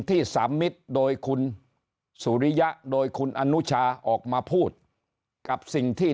ที่สามมิตรโดยคุณสุริยะโดยคุณอนุชาออกมาพูดกับสิ่งที่